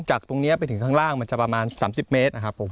จากตรงนี้ไปถึงข้างล่างมันจะประมาณ๓๐เมตรนะครับผม